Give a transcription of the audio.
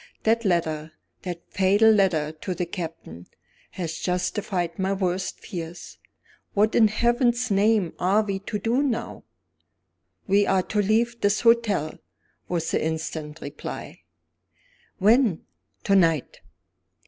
"That letter, that fatal letter to the Captain, has justified my worst fears. What in Heaven's name are we to do now?" "We are to leave this hotel," was the instant reply. "When?" "To night."